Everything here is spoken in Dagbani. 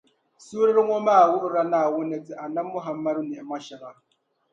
Suurili ŋɔ maa wuhirila Naawuni ni ti Annabi Muhammadu ni’ima shɛŋa.